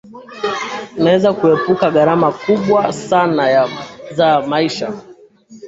unaweza kuepuka gharama kubwa sana za maisha